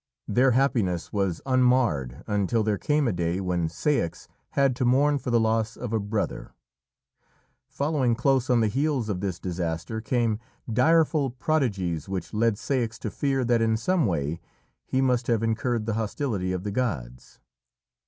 Their happiness was unmarred until there came a day when Ceyx had to mourn for the loss of a brother. Following close on the heels of this disaster came direful prodigies which led Ceyx to fear that in some way he must have incurred the hostility of the gods.